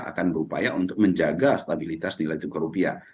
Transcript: akan berupaya untuk menjaga stabilitas nilai tukar rupiah